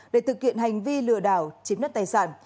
để thực hiện hành vi lừa đảo chiếm đất tài sản